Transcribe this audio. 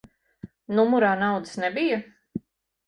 Numurā naudas nebija?